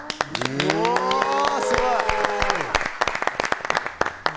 うわ、すごい！